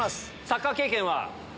サッカー経験は？